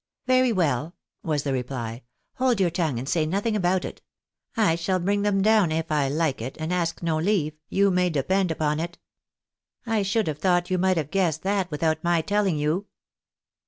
" Very well," was the reply. " Hold your tongue and say nothing about it. I shall bring them down if I like it, and ask no leave, you may depend upon it. I should have thought you might have guessed that without my telling you."